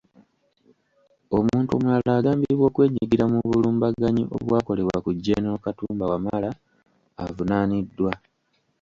Omuntu omulala agambibwa okwenyigira mu bulumbaganyi obwakolebwa ku Gen. Katumba Wamala avunaaniddwa.